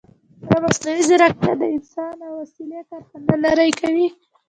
ایا مصنوعي ځیرکتیا د انسان او وسیلې کرښه نه نری کوي؟